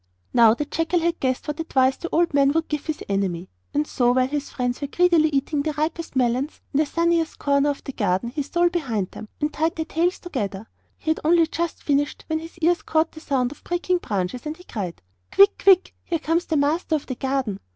Now the jackal had guessed what advice the old man would give his enemy, and so, while his friends were greedily eating the ripest melons in the sunniest corner of the garden, he stole behind them and tied their tails together. He had only just finished when his ears caught the sound of breaking branches; and he cried: 'Quick! quick! here comes the master of the garden!